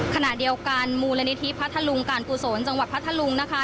ขณะเดียวกันมูลนิธิพัทธลุงการกุศลจังหวัดพัทธลุงนะคะ